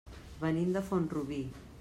Venim de Font-rubí.